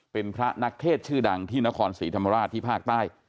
เป็นพระนักเทศชื่อดังที่นครศรีธรรมราชที่ภาคใต้